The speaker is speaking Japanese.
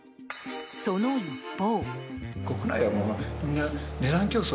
その一方。